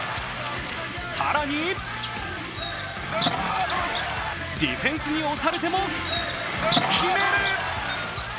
更にディフェンスに押されても決める。